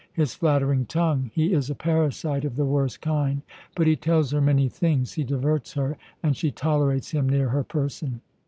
"His flattering tongue. He is a parasite of the worst kind, but he tells her many things, he diverts her, and she tolerates him near her person."